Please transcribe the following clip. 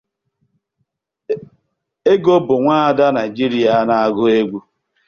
Ego bu nwa ada Nigerian na agu egwu.